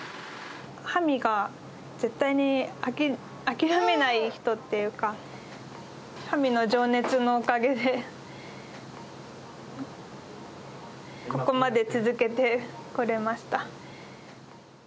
ハミが絶対に諦めない人っていうか、ハミの情熱のおかげで、ここまで続けてこれました。